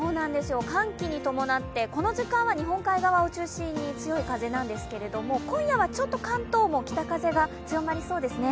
寒気に伴ってこの時間は日本海側を中心に強い風なんですけど今夜はちょっと関東も北風が強まりそうですね。